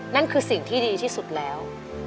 นั่นคือสิ่งที่ดีที่สุดแล้ว